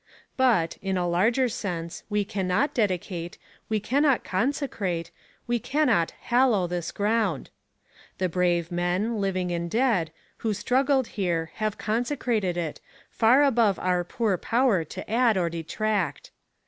But, in a larger sense, we cannot dedicate. . .we cannot consecrate. .. we cannot hallow this ground. The brave men, living and dead, who struggled here have consecrated it, far above our poor power to add or detract.